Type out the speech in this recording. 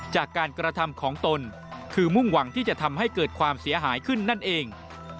จากการกระทำของตนคือมุ่งหวังที่จะทำให้เกิดความเสียหายขึ้นนั่นเอง